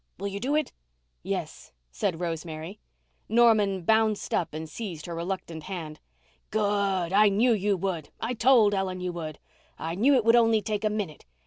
Will you do it?" "Yes," said Rosemary. Norman bounced up and seized her reluctant hand. "Good! I knew you would—I told Ellen you would. I knew it would only take a minute.